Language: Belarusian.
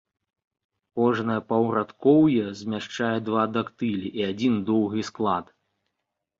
Кожнае паўрадкоўе змяшчае два дактылі і адзін доўгі склад.